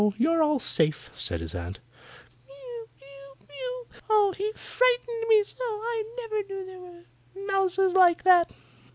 You're all safe," said his aunt. "Mew! mew! mew! Oh, he frightened me so! I never knew there were mouses like that!"